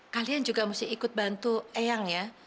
kalian juga mesti ikut bantu eyang ya